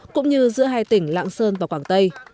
cũng như giữa hai tỉnh lạng sơn và quảng tây